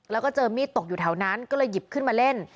แล้วก็เจอมีดตกอยู่แถวนั้นก็เลยหยิบขึ้นมาเล่น